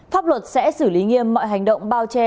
pháp luật sẽ xử lý nghiêm mọi hành động bao che